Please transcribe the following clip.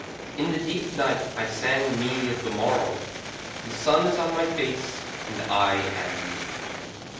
In the deep night I sang me of the morrow; The sun is on my face and I am mute.